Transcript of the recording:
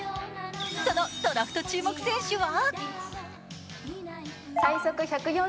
そのドラフト注目選手は？